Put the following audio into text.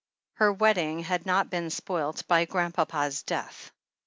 Her wedding had not been spoilt by Grandpapa's death.